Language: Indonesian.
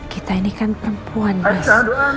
kita ini kan perempuan mas